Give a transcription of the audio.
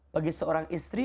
bagi seorang istri